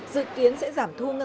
dự kiến sẽ giảm thu ngân sách